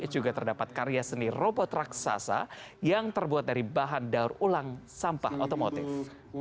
juga terdapat karya seni robot raksasa yang terbuat dari bahan daur ulang sampah otomotif